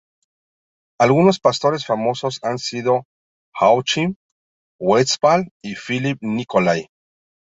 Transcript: Algunos pastores famosos han sido Joachim Westphal y Philipp Nicolai.